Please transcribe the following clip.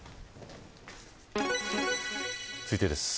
続いてです。